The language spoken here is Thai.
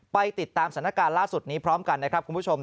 ไปติดตามสถานการณ์ล่าสุดนี้พร้อมกันนะครับคุณผู้ชม